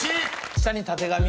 「雄にはたてがみ」